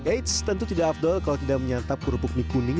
eits tentu tidak afdol kalau tidak menyantap kerupuk mie kuning